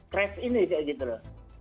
dan setelah ini war ini crash ini